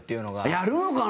やるのかな？